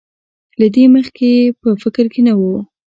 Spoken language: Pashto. له دې مخکې یې په فکر کې نه وو.